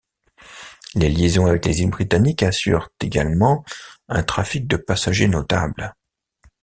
Les liaisons avec les îles britanniques assurent également un trafic de passagers notable.